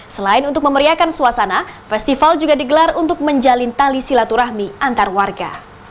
selain untuk memeriakan suasana festival juga digelar untuk menjalin tali silaturahmi antar warga